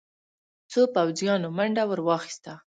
څو پوځيانو منډه ور واخيسته.